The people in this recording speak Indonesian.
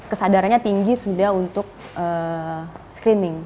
kesadarannya tinggi sudah untuk screening